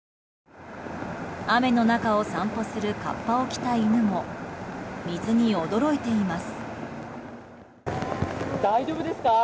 雨の中を散歩するかっぱを着た犬も水に驚いています。